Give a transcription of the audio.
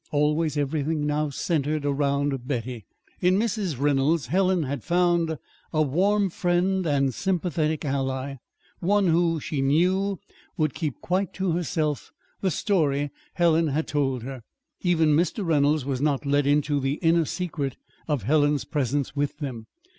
Always everything now centered around Betty. In Mrs. Reynolds Helen had found a warm friend and sympathetic ally, one who, she knew, would keep quite to herself the story Helen had told her. Even Mr. Reynolds was not let into the inner secret of Helen's presence with them.